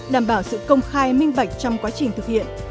đảm bảo sự công khai minh bạch trong quá trình thực hiện